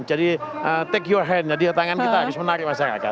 jadi take your hand jadi tangan kita harus menarik masyarakat